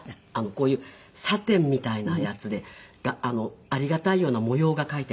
こういうサテンみたいなやつでありがたいような模様が描いてあるやつ。